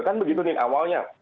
kan begitu nih awalnya